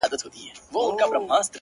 • نه په حورو پسي ورک به ماشومان سي,